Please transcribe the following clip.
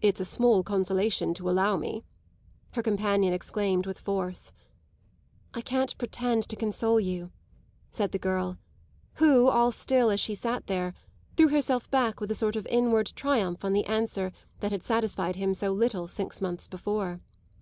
"It's a small consolation to allow me!" her companion exclaimed with force. "I can't pretend to console you," said the girl, who, all still as she sat there, threw herself back with a sort of inward triumph on the answer that had satisfied him so little six months before.